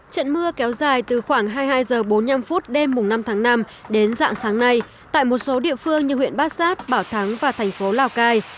trận mưa kéo dài từ khoảng hai mươi hai h bốn mươi năm đêm năm tháng năm đến dạng sáng nay tại một số địa phương như huyện bát sát bảo thắng và thành phố lào cai